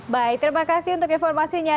baik terima kasih untuk informasinya